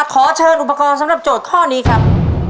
ขอเชิญอุปกรณ์สำหรับโจทย์ข้อนี้ครับ